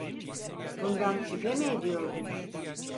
Bundan şüphe mi ediyordum?